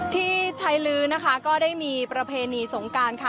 ที่ไทยลื้อนะคะก็ได้มีประเพณีสงการค่ะ